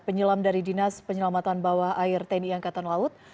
penyelam dari dinas penyelamatan bawah air tni angkatan laut